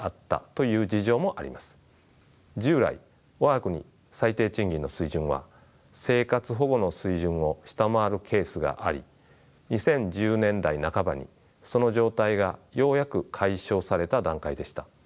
従来我が国最低賃金の水準は生活保護の水準を下回るケースがあり２０１０年代半ばにその状態がようやく解消された段階でした。